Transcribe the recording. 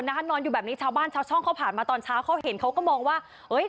นอนอยู่แบบนี้ชาวบ้านชาวช่องเขาผ่านมาตอนเช้าเขาเห็นเขาก็มองว่าเอ้ย